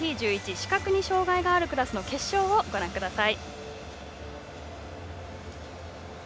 視覚に障がいがあるクラスの決勝をご覧ください。